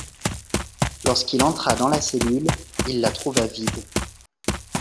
Lorsqu’il entra dans la cellule, il la trouva vide.